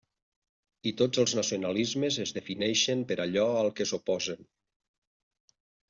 I tots els nacionalismes es defineixen per allò al que s'oposen.